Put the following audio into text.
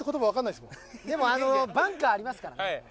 でもバンカーありますからね。